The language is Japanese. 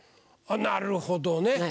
なるほどね。